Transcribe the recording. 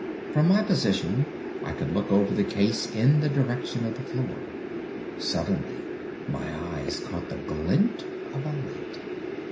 From my position I could look over the case in the direction of the floor. Suddenly my eyes caught the glint of a light.